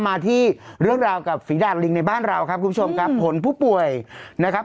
มาที่เรื่องราวกับฝีดาดลิงในบ้านเราครับคุณผู้ชมครับผลผู้ป่วยนะครับ